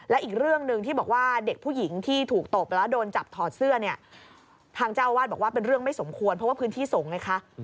และอีกเรื่องหนึ่งที่บอกว่าเด็กผู้หญิงที่ถูกตบแล้วโดนจับถอดเสื้อเนี่ยทางเจ้าอาวาสบอกว่าเป็นเรื่องไม่สมควรเพราะว่าพื้นที่สงฆ์ไงคะ